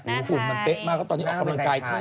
อุ๋หุ่นมันเป๊ะมากเพราะตอนนี้ออกกำลังกายทั้งวัน